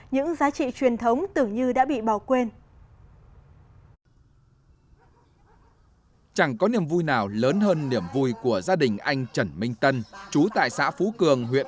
những giá trị truyền thống tưởng như đã bị bỏ quên